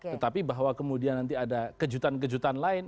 tetapi bahwa kemudian nanti ada kejutan kejutan lain